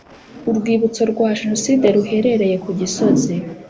Urwibutso rwa genocide ruherereye kugisozi